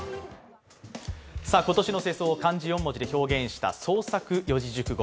今年の世相を漢字四文字で表現した創作四字熟語。